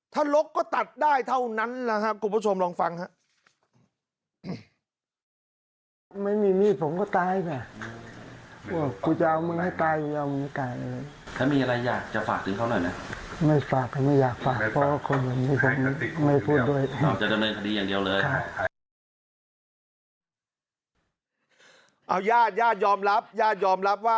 ถ้าลกก็ตัดได้เท่านั้นนะครับคุณผู้ชมลองฟังครับ